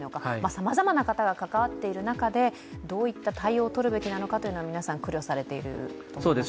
さまざまな方が関わっている中でどういった対応をとるのか皆さん苦慮されていると思いますよね。